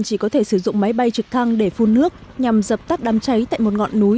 chỉ có thể sử dụng máy bay trực thăng để phun nước nhằm dập tắt đám cháy tại một ngọn núi